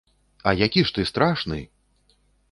А які ж ты страшны!